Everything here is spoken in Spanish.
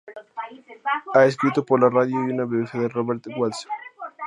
Ha escrito para la radio y una biografía de Robert Walser.